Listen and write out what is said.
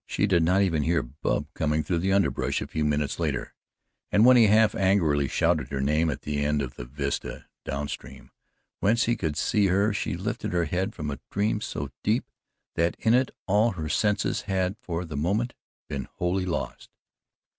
She did not even hear Bub coming through the underbrush a few minutes later, and when he half angrily shouted her name at the end of the vista, down stream, whence he could see her, she lifted her head from a dream so deep that in it all her senses had for the moment been wholly lost.